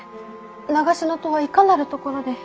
長篠とはいかなる所で？